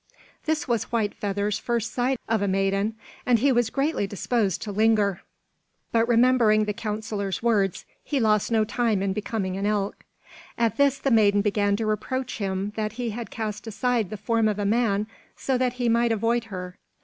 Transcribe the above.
This was White Feather's first sight of a maiden, and he was greatly disposed to linger. But remembering the counsellor's words, he lost no time in becoming an elk. At this the maiden began to reproach him that he had cast aside the form of a man so that he might avoid her.